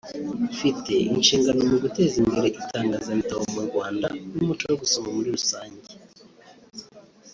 mfite inshingano mu guteza imbere itangazabitabo mu Rwanda n’umuco wo gusoma muri rusange